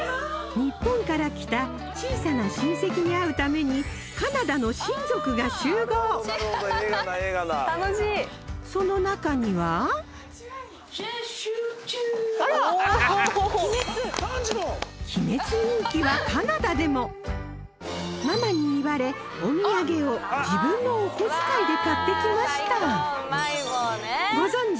日本から来た小さな親戚に会うためにカナダのその中にはママに言われお土産を自分のお小遣いで買ってきましたご存じ